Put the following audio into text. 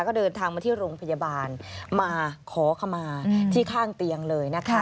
ก็เดินทางมาที่โรงพยาบาลมาขอขมาที่ข้างเตียงเลยนะคะ